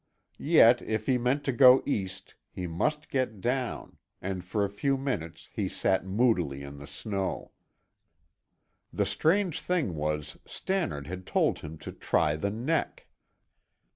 Yet, if he meant to go east, he must get down, and for a few minutes he sat moodily in the snow. The strange thing was, Stannard had told him to try the neck.